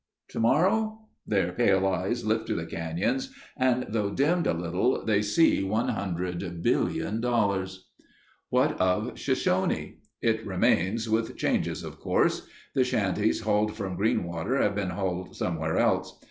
Tomorrow? Their pale eyes lift to the canyons and though dimmed a little, they see one hundred billion dollars. What of Shoshone? It remains with changes of course. The shanties hauled from Greenwater have been hauled somewhere else.